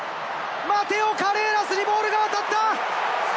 マテオ・カレーラスにボールが渡った！